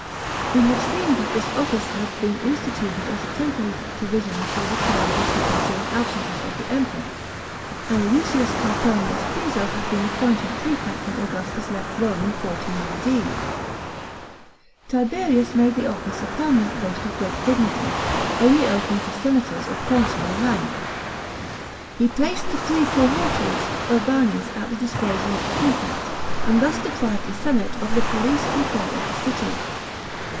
We have seen that this office had been instituted as a temporary provision for the care of the city during absences of the Emperor, and Lucius Calpurnius Piso had been appointed prefect when Augustus left Rome in 14 A.D. 190 THE PBINCIPATJE OF TIBEB1U8. CHAP. zm. Tiberius made the office a permanent post of great dignity, only open to senators of consular rank. He placed the three cohortes urban* at the disposal of the prefect, and thus deprived the senate of the police control of the city.